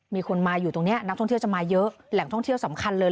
มีคนมาอยู่ตรงนี้นักท่องเที่ยวจะมาเยอะแหล่งท่องเที่ยวสำคัญเลย